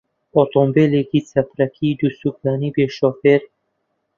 ئۆتۆمبێلێکی چەپرەکی دووسوکانی بێ شۆفێر؟